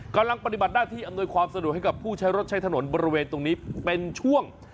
กำลังปฏิบัติหน้าที่อำนวยความสะดวกให้กับผู้ใช้รถใช้ถนนบริเวณตรงนี้เป็นช่วง